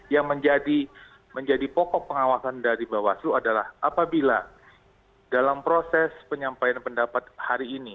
yang menjadi pokok pengawasan dari bawaslu adalah apabila dalam proses penyampaian pendapat hari ini